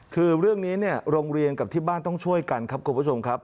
คือเรื่องนี้เนี่ยโรงเรียนกับที่บ้านต้องช่วยกันครับคุณผู้ชมครับ